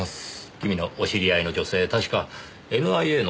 君のお知り合いの女性確かＮＩＡの方でしたねぇ。